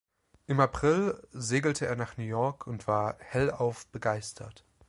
Im April segelte er nach New York und war hellauf begeistert.